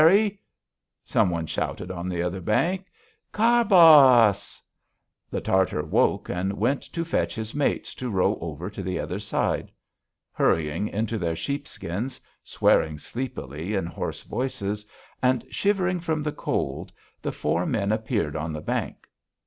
Ferry!" some one shouted on the other bank. "Karba a ass!" The Tartar awoke and went to fetch his mates to row over to the other side. Hurrying into their sheepskins, swearing sleepily in hoarse voices, and shivering from the cold, the four men appeared on the bank.